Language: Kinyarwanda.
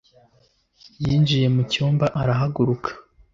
Yinjiye mu cyumba arahaguruka